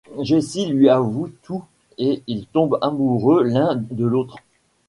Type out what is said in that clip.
Jessie lui avoue tout et ils tombent amoureux l'un de l'autre.